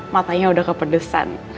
matanya udah kepedesan